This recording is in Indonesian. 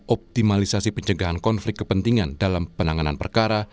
optimalisasi pencegahan konflik kepentingan dalam penanganan perkara